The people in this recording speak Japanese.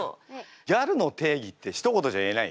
ギャルの定義ってひと言じゃ言えない？